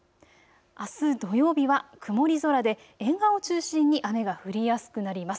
あす土曜日は曇り空で沿岸を中心に雨が降りやすくなります。